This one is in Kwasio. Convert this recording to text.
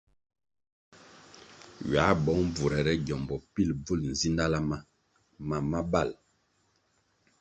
Ywā bong bvurere gyombo pil bvul nzidala ma mam ma bal.